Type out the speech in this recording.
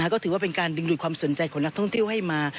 ก็ถือว่าเป็นการดึงดูดความสนใจของนักท่องเที่ยวให้มา